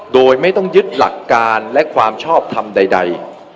โดยไม่ต้องยึดหลักการและความชอบทำใด